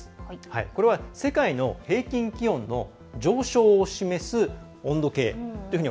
これは、世界の平均気温の上昇を示す温度計というふうに